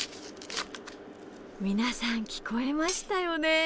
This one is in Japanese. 皆さん聞こえましたよね！